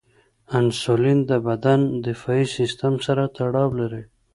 انسولین د بدن دفاعي سیستم سره تړاو لري.